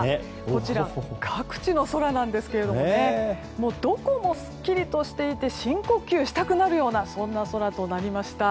こちら、各地の空なんですけどもどこもすっきりとしていて深呼吸したくなるようなそんな空となりました。